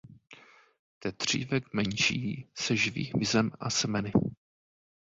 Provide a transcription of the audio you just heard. Tetřívek menší se živí hmyzem a semeny.